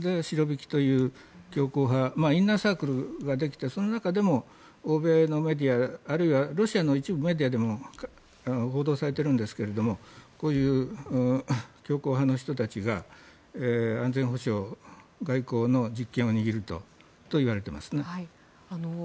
シロビキという強硬派インナーサークルができてその中でも欧米のメディアあるいはロシアの一部メディアでも報道されているんですがこういう強硬派の人たちが安全保障外交の実権を握るといわれていますね。